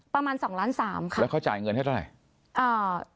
ประมาณสองล้านสามค่ะแล้วเขาจ่ายเงินให้เท่าไหร่อ่า